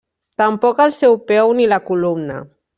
Tampoc el seu peu ni la columna.